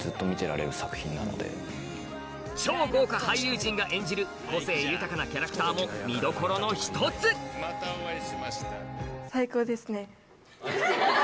超豪華俳優陣が演じる個性豊かなキャラクターも見どころの１つやっぱりホンマに。